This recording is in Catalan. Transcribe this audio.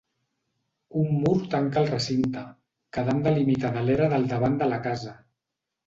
Un mur tanca el recinte, quedant delimitada l'era del davant de la casa.